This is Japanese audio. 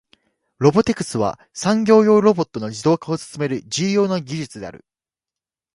ロボティクスは、産業用ロボットの自動化を進める重要な技術である。